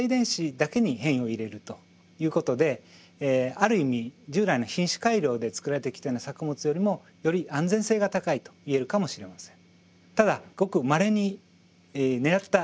ある意味従来の品種改良で作られてきたような作物よりもより安全性が高いといえるかもしれません。